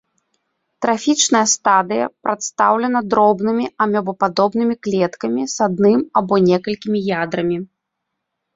Трафічная стадыя прадстаўлена дробнымі амёбападобнымі клеткамі з адным або некалькімі ядрамі.